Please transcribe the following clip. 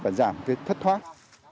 và giảm thất thoát